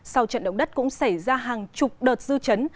sau trận động đất cũng xảy ra hàng chục đợt dư chấn